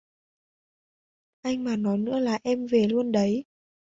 Anh mà nói nữa là em về luôn đấy